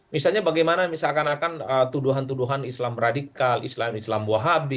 misalnya bagaimana misalkan akan tuduhan tuduhan islam radikal islam islam buah habib